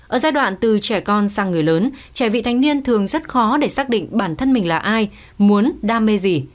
ở giai đoạn từ trẻ con sang người lớn trẻ vị thanh niên thường rất khó để xác định bản thân mình là ai muốn đam mê gì